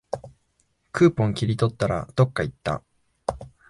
クーポン切り取ったら、どっかいった